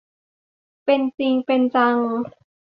เป็นจริงเป็นจัง